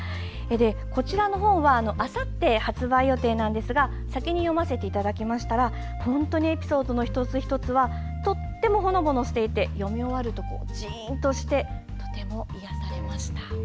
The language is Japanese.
こちらの本はあさって発売予定なんですが先に読ませていただきましたらエピソードの一つ一つはとてもほのぼのしていて読み終わると、ジーンとしてとても癒やされました。